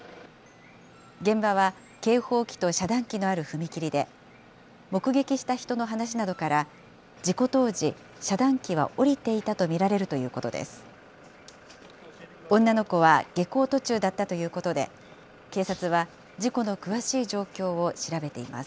現場は警報機と遮断機のある踏切で、目撃した人の話などから、事故当時、遮断機は下りていたと見られるということです。